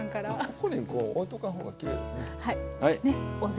ここに置いとかん方がきれいですね。